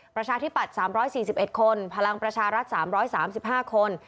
ประชาธิปัตย์๓๔๑คนพลังประชารัฐ๓๓๕คน